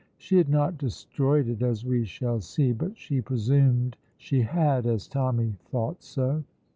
She had not destroyed it, as we shall see; but she presumed she had, as Tommy thought so.